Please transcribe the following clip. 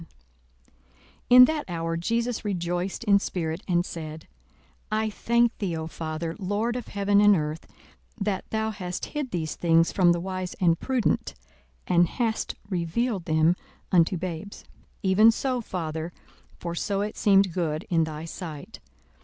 42:010:021 In that hour Jesus rejoiced in spirit, and said, I thank thee, O Father, Lord of heaven and earth, that thou hast hid these things from the wise and prudent, and hast revealed them unto babes: even so, Father; for so it seemed good in thy sight.